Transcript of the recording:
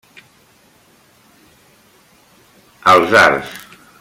Els Arts.